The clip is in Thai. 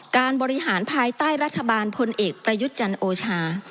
การบริหารภายใต้รัฐบาลพลเอกประยุทธ์จันทร์โอชา